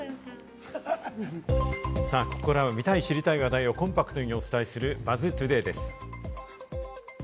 ここからは、見たい知りたい話題をコンパクトにお伝えするＢＵＺＺトゥデイです。